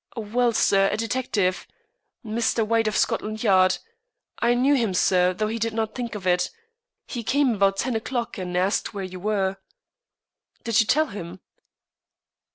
"Well, sir, a detective Mr. White, of Scotland Yard. I knew him, sir, though he did not think it. He came about ten o'clock, and asked where you were." "Did you tell him?"